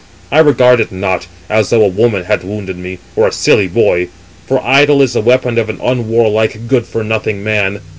I regard it not, as though a woman had wounded me, or a silly boy: for idle is the weapon of an unwarlike, good for nothing man.